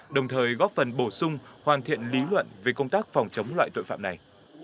đồng thời góp phần bổ sung hoàn thiện lý luận về công tác phòng chống loại tội phạm này